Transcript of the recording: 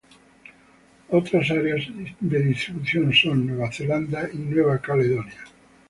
Otras áreas de distribución son Nueva Zelanda y Nueva Caledonia.